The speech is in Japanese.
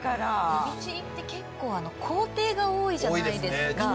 エビチリって結構工程が多いじゃないですか。